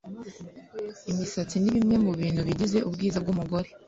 imisatsi ni bimwe mu bintu bigize ubwiza bw'umugore